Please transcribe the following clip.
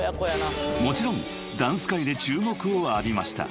［もちろんダンス界で注目を浴びました］